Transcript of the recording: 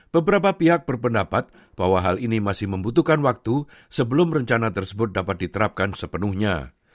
beberapa pihak berpendapat bahwa hal ini masih membutuhkan waktu sebelum rencana tersebut dapat diterapkan sepenuhnya